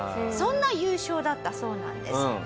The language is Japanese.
そんな優勝だったそうなんです。